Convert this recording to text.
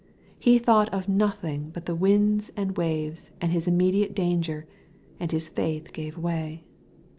He thought of nothing but the ^da iind waves and his immediate danger, and his faith gave way.